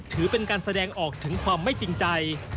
ถือเป็นการแสดงออกถึงความไม่จริงใจ